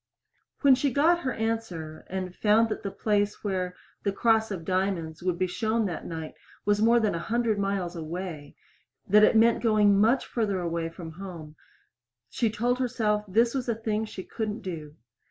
When she got her answer, and found that the place where "The Cross of Diamonds" would be shown that night was more than a hundred miles away that it meant going that much farther away from home she told herself this was a thing she couldn't do.